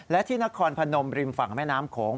และที่นครพนมริมฝั่งแม่น้ำโขง